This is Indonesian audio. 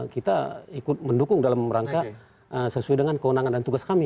kita ikut mendukung dalam rangka sesuai dengan kewenangan dan tugas kami